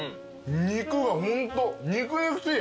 肉がホント肉々しい。